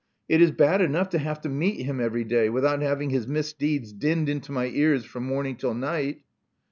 It is bad enough to have to meet him every day, without having his misdeeds dinned into my ears from morning till night.